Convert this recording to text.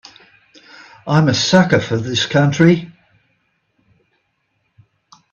I'm a sucker for this country.